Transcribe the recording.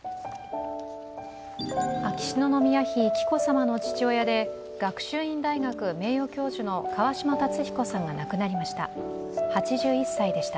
秋篠宮妃・紀子さまの父親で学習院大学名誉教授の川嶋辰彦さんが亡くなりました。